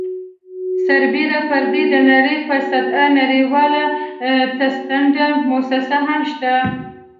سربیره پر دې د نړۍ په سطحه نړیواله سټنډرډ مؤسسه هم شته.